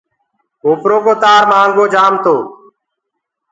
ڪوپرو ڪو تآر مآهنگو جآم هي۔